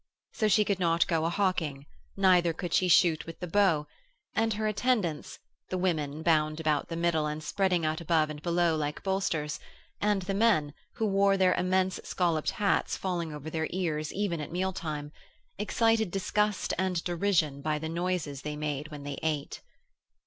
So she could not go a hawking, neither could she shoot with the bow, and her attendants the women, bound about the middle and spreading out above and below like bolsters, and the men, who wore their immense scolloped hats falling over their ears even at meal times excited disgust and derision by the noises they made when they ate.